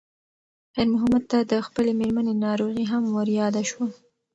خیر محمد ته د خپلې مېرمنې ناروغي هم ور یاده شوه.